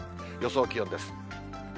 予想気温です。